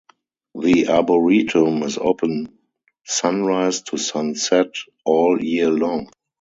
The arboretum is open sunrise to sunset all year long.